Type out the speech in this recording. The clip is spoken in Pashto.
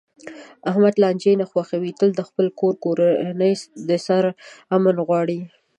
احمد لانجې نه خوښوي، تل د خپل کور کورنۍ د سر امن غواړي.